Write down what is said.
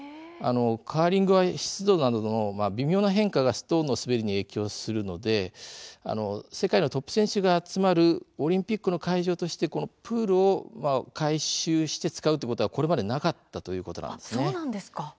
カーリングは湿度などの微妙な変化がストーンの滑りに影響するので世界のトップ選手が集まるオリンピックの会場としてプールを改修して使うということはこれまでなかったということです。